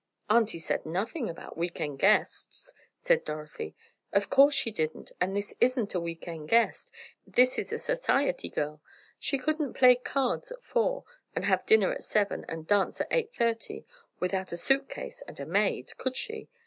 "Auntie said nothing about week end guests," said Dorothy. "Of course she didn't, and this isn't a week end guest, this is a society girl! She couldn't play cards at four, and have dinner at seven, and a dance at eight thirty, without a suit case and a maid; could she?